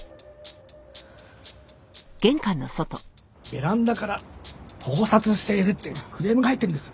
ベランダから盗撮しているっていうクレームが入ってるんです。